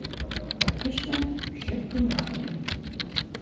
Фактычна, усе пры ўладзе.